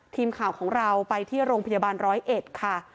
ทีมข่าวของเราไปที่โรงพยาบาลร้อยเอ็ดค่ะ